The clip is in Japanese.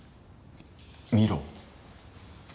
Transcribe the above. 「見ろ！」。